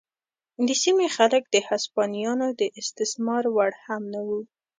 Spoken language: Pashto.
د سیمې خلک د هسپانویانو د استثمار وړ هم نه وو.